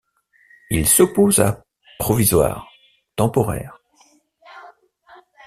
Il s'oppose à provisoire, temporaire.